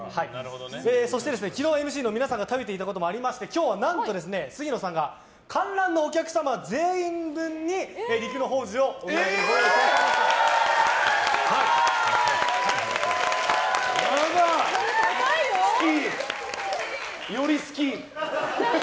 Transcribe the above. そして昨日ＭＣの皆さんが食べていたこともありまして今日は何と、杉野さんが観覧のお客様全員分に陸乃宝珠をお土産にと。すごい！より好き？